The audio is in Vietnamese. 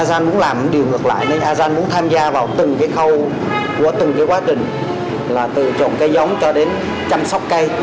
a z gian muốn làm điều ngược lại nên a z gian muốn tham gia vào từng cái khâu của từng cái quá trình là từ trộn cây giống cho đến chăm sóc cây